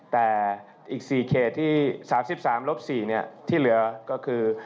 แต่อีก๔เขตที่๓๓ลบ๔ที่เหลือก็คือ